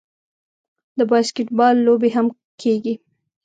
د باسکیټبال لوبې هم کیږي.